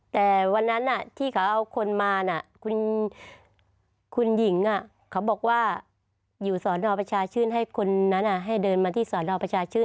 แต่วันนั้นที่เขาเอาคนมาคุณหญิงเขาบอกว่าอยู่สอนอประชาชื่นให้คนนั้นให้เดินมาที่สอนอประชาชื่น